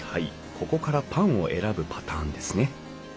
ここからパンを選ぶパターンですね。